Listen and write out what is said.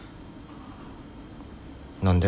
何で？